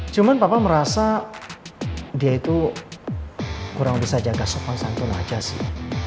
cuman papa merasa dia itu kurang bisa jaga sopan santun aja sih